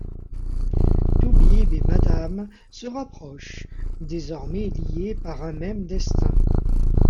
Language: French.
Toubib et Madame se rapprochent, désormais liés par un même destin.